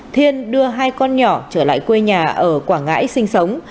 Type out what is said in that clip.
thiên đưa hai con nhỏ trở lại quê nhà ở quảng ngãi sinh sống